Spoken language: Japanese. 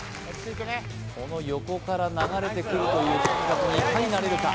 この横から流れてくるという感覚にいかに慣れるか